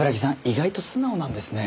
意外と素直なんですね。